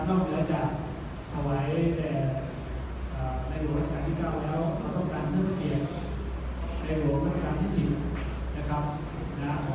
นอกจากถวายอ่าหลวงวาชการที่เก้าแล้วหลวงวาชการที่สิบนะครับ